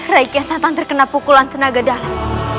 raiyah satan terkena pukulan tenaga dalam